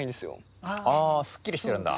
あすっきりしてるんだ。